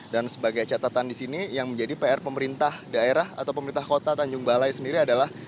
dan sebagai catatan di sini yang menjadi pr pemerintah daerah atau pemerintah kota tanjung balai sendiri adalah